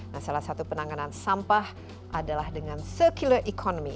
nah salah satu penanganan sampah adalah dengan circular economy